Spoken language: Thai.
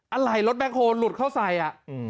อะไรรถแบ็คโฮลหลุดเข้าใส่อ่ะ